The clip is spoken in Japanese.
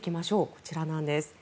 こちらなんです。